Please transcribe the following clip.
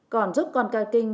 còn giúp con ca kinh